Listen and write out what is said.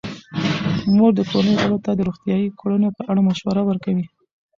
مور د کورنۍ غړو ته د روغتیايي کړنو په اړه مشوره ورکوي.